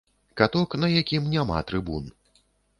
Каток, на якім няма трыбун.